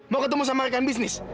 mau ketemu sama rekan bisnis